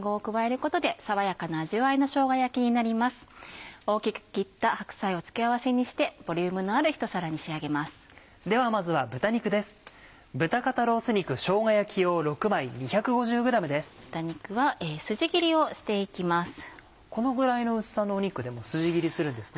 このぐらいの薄さの肉でも筋切りするんですね。